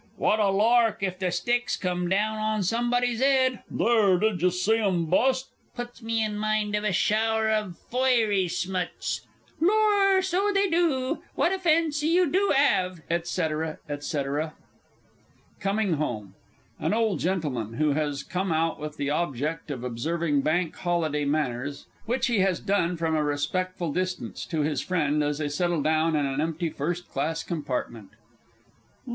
What a lark if the sticks come down on somebody's 'ed! There, didyer see 'em bust? Puts me in mind of a shower o' foiry smuts. Lor, so they do what a fancy you do 'ave. &c., &c. COMING HOME. AN OLD GENTLEMAN (_who has come out with the object of observing Bank Holiday manners which he has done from a respectful distance to his friend, as they settle down in an empty first class compartment_).